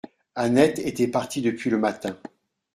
Annette était partie depuis le matin.